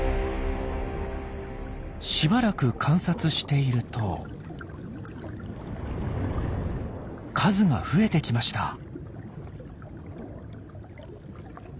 しばらく観察していると数が増えてきました。